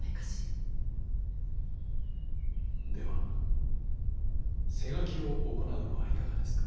では施餓鬼を行うのはいかがですか。